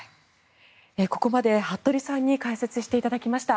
ここまで服部さんに解説していただきました。